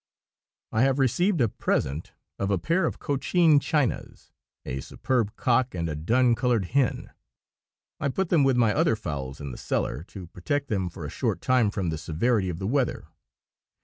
I have received a present of a pair of Cochin Chinas, a superb cock and a dun colored hen. I put them with my other fowls in the cellar, to protect them for a short time from the severity of the weather.